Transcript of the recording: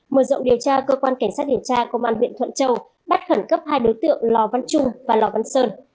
mở rộng điều tra cơ quan cảnh sát điều tra công an huyện thuận châu bắt khẩn cấp hai đối tượng lò văn trung và lò văn sơn